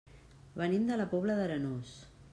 Venim de la Pobla d'Arenós.